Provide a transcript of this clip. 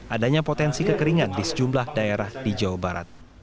adanya potensi kekeringan di sejumlah daerah di jawa barat